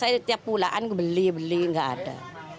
dan biasanya tiap pulaan beli beli nggak ada